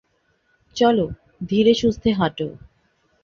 চলো, ধীরেসুস্থে হাঁটো।